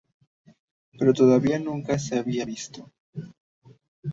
Pero todavía nunca se habían visto.